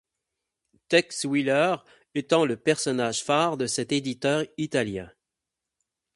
Tex Willer étant le personnage phare de cet éditeur italien.